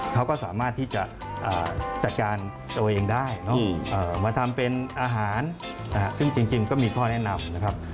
เขาก็สามารถที่จะจัดการตัวเองได้มาทำเป็นอาหารซึ่งจริงก็มีข้อแนะนำนะครับ